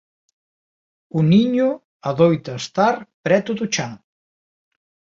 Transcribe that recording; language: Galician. O niño adoita estar preto do chan.